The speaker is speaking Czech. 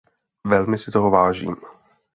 Velmi si toho vážím.